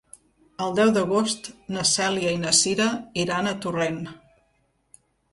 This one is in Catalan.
El deu d'agost na Cèlia i na Cira iran a Torrent.